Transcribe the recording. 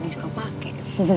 neng suka pakai